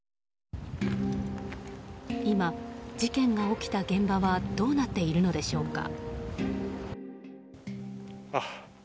今、事件が起きた現場はどうなっているのでしょうか。